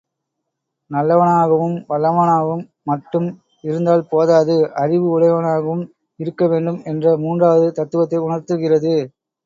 நல்லவனாகவும் வல்லவனாகவும் மட்டும் இருந்தால்போதாது அறிவு உடையவனாகவும் இருக்க வேண்டும் என்ற மூன்றாவது தத்துவத்தை உணர்த்துகிறது.